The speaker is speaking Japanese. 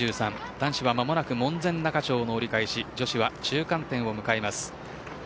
男子は間もなく門前仲町の折り返し女子は中間点を迎えます。